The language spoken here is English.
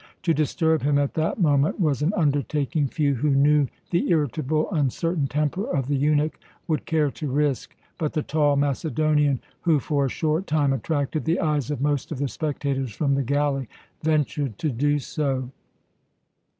To disturb him at that moment was an undertaking few who knew the irritable, uncertain temper of the eunuch would care to risk. But the tall Macedonian, who for a short time attracted the eyes of most of the spectators from the galley, ventured to do so.